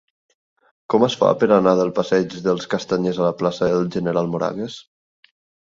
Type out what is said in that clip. Com es fa per anar del passeig dels Castanyers a la plaça del General Moragues?